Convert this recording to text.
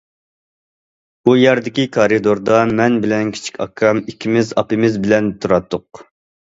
ئۇ يەردىكى كارىدوردا، مەن بىلەن كىچىك ئاكام ئىككىمىز ئاپىمىز بىلەن تۇراتتۇق.